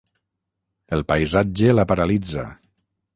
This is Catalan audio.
El paisatge la paralitza.